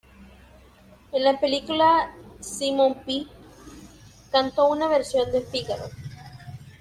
En la película, Simon Pegg cantó una versión de "Figaro".